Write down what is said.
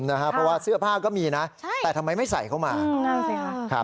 เพราะว่าเสื้อผ้าก็มีนะแต่ทำไมไม่ใส่เข้ามา